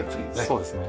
そうですね。